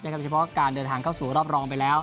โดยเฉพาะการเดินทางเข้าสู่รอบรองไปแล้ว